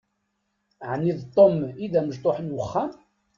Ɛni d Tom i d amecṭuḥ n uxxam?